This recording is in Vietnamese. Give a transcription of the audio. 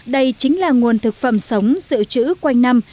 đây chính là nguồn thực phẩm sống dự trữ quanh năm